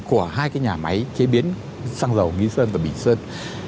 của hai cái nhà máy chế biến răng dầu nghĩ sơn và bình sơn